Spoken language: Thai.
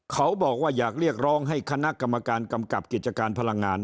เขาบอกว่าอยากเรียกร้องให้คณะกรรมการกำกับกิจการพลังงาน